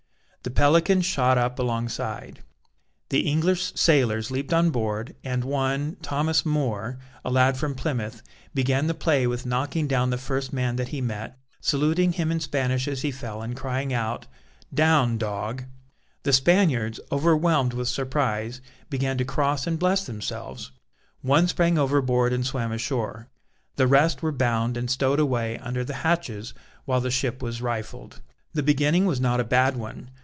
The Pelican shot up alongside. The English sailors leaped on board, and one "Thomas Moore," a lad from Plymouth, began the play with knocking down the first man that he met, saluting him in Spanish as he fell, and crying out "Down, dog." The Spaniards, overwhelmed with surprise, began to cross and bless themselves. One sprang overboard and swam ashore; the rest were bound and stowed away under the hatches while the ship was rifled. The beginning was not a bad one.